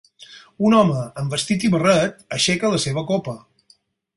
Un home amb vestit i barret aixeca la seva copa.